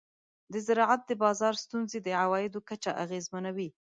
د زراعت د بازار ستونزې د عوایدو کچه اغېزمنوي.